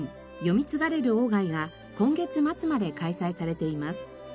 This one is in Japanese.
「読み継がれる外」が今月末まで開催されています。